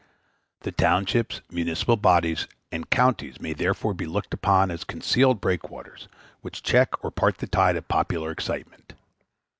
The townships, municipal bodies, and counties may therefore be looked upon as concealed break waters, which check or part the tide of popular excitement.